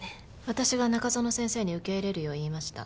私が中園先生に受け入れるよう言いました。